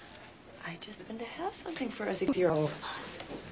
はい。